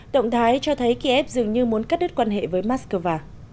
động thái cho thấy kiev dường như muốn cắt đứt quan hệ với moscow